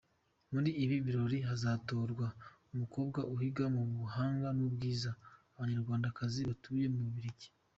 Muri ibi birori hazatorwa umukobwa uhiga mu buhanga n’ubwiza Abanyarwandakazi batuye mu Bubiligi.